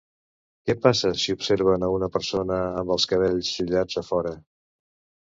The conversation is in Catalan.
Què passa si observen a una persona amb els cabells xollats a fora?